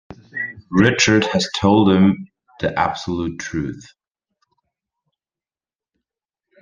Richard has told him the absolute truth.